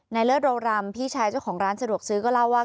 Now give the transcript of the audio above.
เลิศโรรำพี่ชายเจ้าของร้านสะดวกซื้อก็เล่าว่า